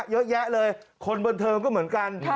เยอะแยะเลยคนบันเทิงก็เหมือนกัน